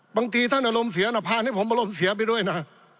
บางทีท่านเอารมเสียนะพาให้ผมเอารมเสียไปด้วยนะ